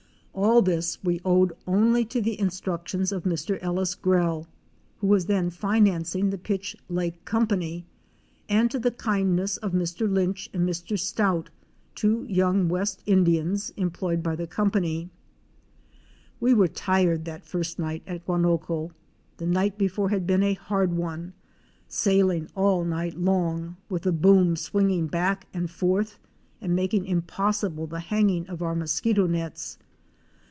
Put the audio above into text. All this we owed also to the instruc tions of Mr. Ellis Grell, who was then financing the Pitch Lake Company and to the kindness of Mr. Lynch and Mr. Stoute, two young West Indians employed by the company. Fic. 48. Diccinc ouT THE BLACK, WAXLIKE PITCH. We were tired that first night at Guanoco. The night before had been a hard one — sailing all night long, with the boom swinging back and forth and making impossible the hanging of our mosquito nets.